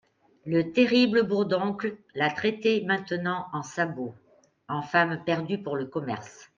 Le terrible Bourdoncle la traitait maintenant en sabot, en femme perdue pour le commerce.